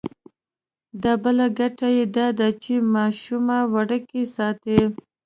دا بله ګټه یې دا ده چې ماشومه وړوکې ساتي.